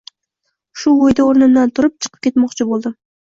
Shu oʻyda oʻrnimdan turib chiqib ketmoqchi boʻldim.